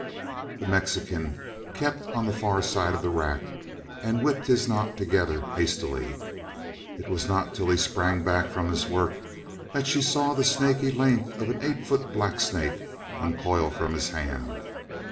The Mexican kept on the far side of the rack and whipped his knot together hastily; it was not till he sprang back from his work that she saw the snaky length of an eight foot blacksnake uncoil from his hand.